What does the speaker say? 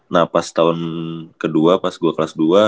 nah pas tahun kedua pas gue kelas dua